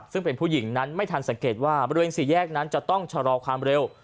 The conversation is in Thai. ซึ่งเป็นผู้หญิงนั้นไม่ทันสังเกตว่าบริเวณสี่แยกนั้นจะต้องชะลอความเร็ว